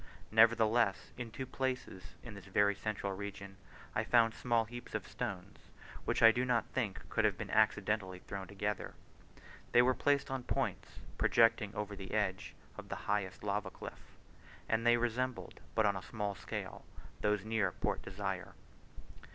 Nevertheless, in two places in this very central region, I found small heaps of stones, which I do not think could have been accidentally thrown together. They were placed on points, projecting over the edge of the highest lava cliff, and they resembled, but on a small scale, those near Port Desire.